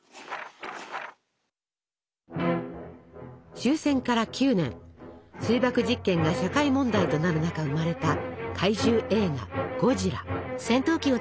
終戦から９年水爆実験が社会問題となる中生まれた怪獣映画「ゴジラ」。